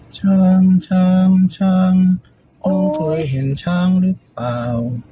ช้างชามช้างโอ้เคยเห็นช้างหรือเปล่า